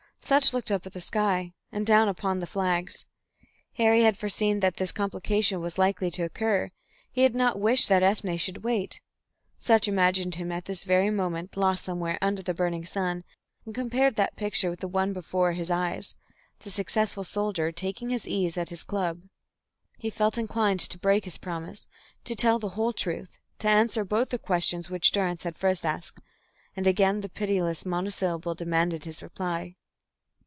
Sutch looked up at the sky and down upon the flags. Harry had foreseen that this complication was likely to occur, he had not wished that Ethne should wait. Sutch imagined him at this very moment, lost somewhere under the burning sun, and compared that picture with the one before his eyes the successful soldier taking his ease at his club. He felt inclined to break his promise, to tell the whole truth, to answer both the questions which Durrance had first asked. And again the pitiless monosyllable demanded his reply.